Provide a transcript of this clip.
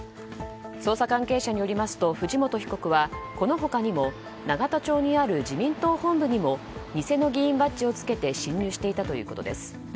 捜査関係者によりますと藤本被告はこの他にも永田町にある自民党本部にも偽の議員バッジをつけて侵入していたということです。